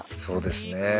そうですね。